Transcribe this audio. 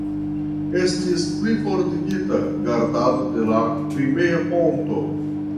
Estis plifortigita gardado de la Krimea ponto.